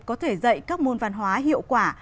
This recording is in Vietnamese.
có thể dạy các môn văn hóa hiệu quả